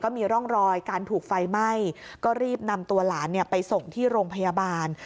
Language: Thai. มีร่องรอยการถูกไฟไหม้ก็รีบนำตัวหลานไปส่งที่โรงพยาบาล